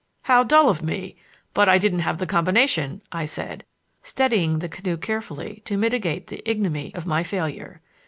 "How dull of me! But I didn't have the combination," I said, steadying the canoe carefully to mitigate the ignominy of my failure.